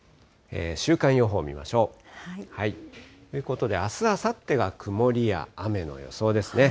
週間予報見ましょう。ということで、あす、あさってが曇りや雨の予想ですね。